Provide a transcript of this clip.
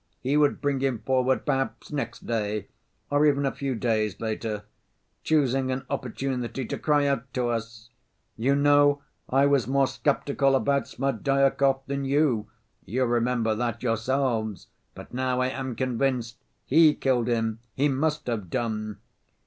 He would bring him forward perhaps next day, or even a few days later, choosing an opportunity to cry out to us, 'You know I was more skeptical about Smerdyakov than you, you remember that yourselves, but now I am convinced. He killed him, he must have done!